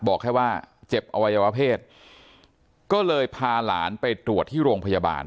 บอกแค่ว่าเจ็บอวัยวเพศก็เลยพาหลานไปตรวจที่โรงพยาบาล